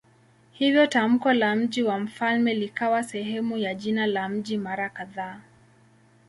Hivyo tamko la "mji wa mfalme" likawa sehemu ya jina la mji mara kadhaa.